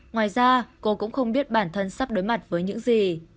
ngoài ra cô cũng không biết bản thân sắp đối mặt với những gì